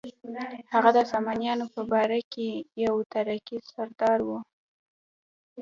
هغه د سامانیانو په درباره کې یو ترکي سردار و.